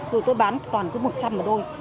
rồi tôi bán còn cứ một trăm linh một đôi